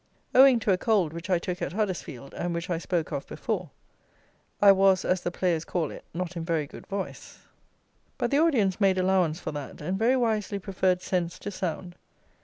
Owing to a cold which I took at Huddersfield, and which I spoke of before, I was, as the players call it, not in very good voice; but the audience made allowance for that, and very wisely preferred sense to sound.